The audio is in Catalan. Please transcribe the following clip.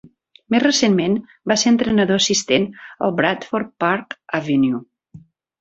Més recentment, va ser entrenador assistent al Bradford Park Avenue.